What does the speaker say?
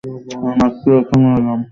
আমি মাত্রই এখানে এলাম।